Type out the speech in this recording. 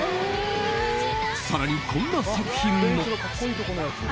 更にこんな作品も。